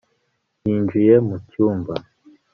yinjiye mu cyumba